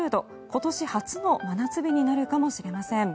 今年初の真夏日になるかもしれません。